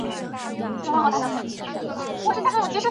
我同事怀孕之后，每天都吃两个人的份。